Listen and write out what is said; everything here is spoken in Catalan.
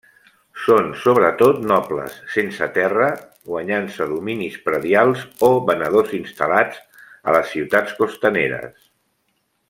Són sobretot nobles sense terra guanyant-se dominis predials, o venedors instal·lats a les ciutats costaneres.